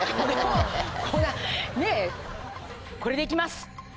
これで行きます！